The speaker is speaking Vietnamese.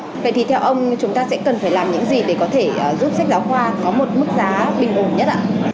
vậy thì theo ông chúng ta sẽ cần phải làm những gì để có thể giúp sách giáo khoa có một mức giá bình ổn nhất ạ